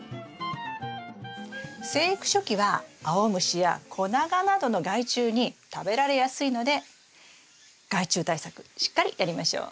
生育初期はアオムシやコナガなどの害虫に食べられやすいので害虫対策しっかりやりましょう。